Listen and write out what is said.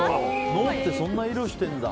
脳ってそんな色してるんだ。